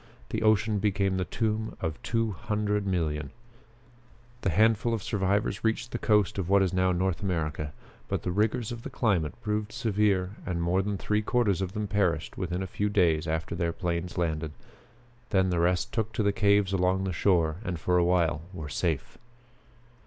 The ocean became the tomb of two hundred millions. The handful of survivors reached the coast of what is now North America. But the rigors of the climate proved severe and more than three quarters of them perished within a few days after their planes landed. Then the rest took to the caves along the shore, and for a while were safe."